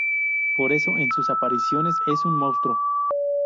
Por eso en sus apariciones es un monstruo.